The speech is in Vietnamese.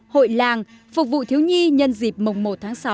hội làng phục vụ thiếu nhi nhân dịp mồng mồ tháng sáu